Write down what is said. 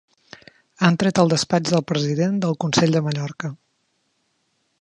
Han tret el despatx del president del Consell de Mallorca